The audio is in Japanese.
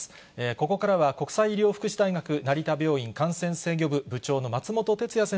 ここからは国際医療福祉大学成田病院感染制御部部長の松本哲哉先